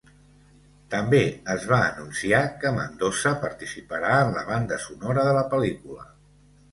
També es va anunciar que Mandoza participarà en la banda sonora de la pel·lícula.